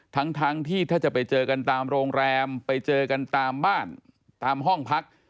ทั้งที่ถ้าจะไปเจอกันตามโรงแรมไปเจอกันตามบ้านตามห้องพัก